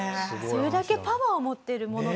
それだけパワーを持っているもの。